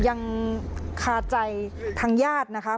ก็ยังขาใจทั้งญาตินะครับ